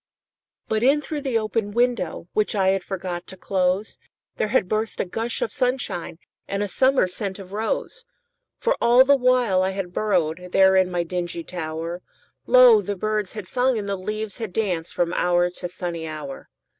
But in through the open window, Which I had forgot to close, There had burst a gush of sunshineAnd a summer scent of rose. For all the while I had burrowedThere in my dingy tower, Lo! the birds had sung and the leaves had dancedFrom hour to sunny hour.